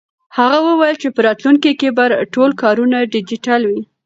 هغه وویل چې په راتلونکي کې به ټول کارونه ډیجیټل وي.